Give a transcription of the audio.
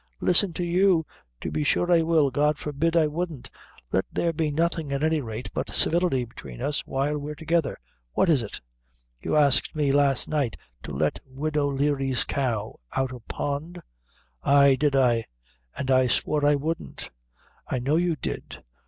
"Listen to you to be sure I will; God forbid I wouldn't; let there be nothing at any rate, but civility between us while we're together. What is it?" "You asked me last night to let widow Leary's cow out o' pound?" "Ay, did I!" "And I swore I wouldn't." "I know you did.